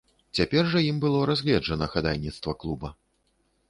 Цяпер жа ім было разгледжана хадайніцтва клуба.